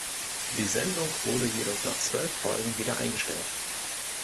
Die Sendung wurde jedoch nach zwölf Folgen wieder eingestellt.